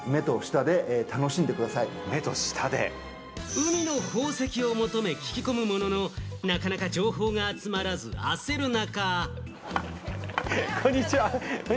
海の宝石を求め、聞き込むものの、なかなか情報が集まらず焦る中。